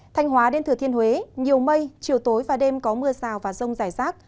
thành hóa đến thừa thiên huế nhiều mây chiều tối và đêm có mưa sào và rông rải rác